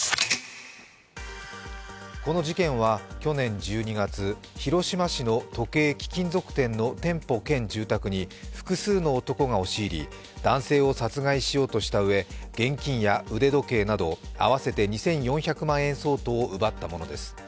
この事件は去年１２月、広島市の時計・貴金属店の店舗兼住宅に複数の男が押し入り、男性を殺害しようとしたうえ現金や腕時計など合わせて２４００万円相当を奪ったものです。